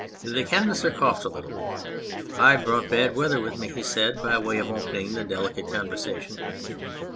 The Canvasser coughed a little. " I've brought bad weather with me," he said, by way of opening the delicate conversation.